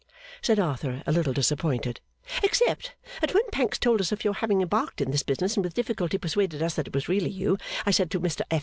said Arthur, a little disappointed. 'Except that when Pancks told us of your having embarked in this business and with difficulty persuaded us that it was really you I said to Mr F.